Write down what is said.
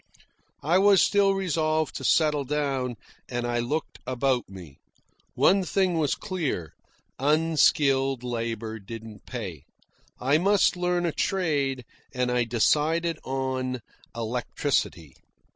I was still resolved to settle down, and I looked about me. One thing was clear. Unskilled labour didn't pay. I must learn a trade, and I decided on electricity.